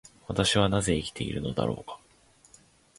私はなぜ生きているのだろうか。